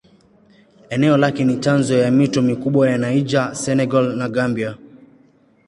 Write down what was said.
Eneo lake ni chanzo ya mito mikubwa ya Niger, Senegal na Gambia.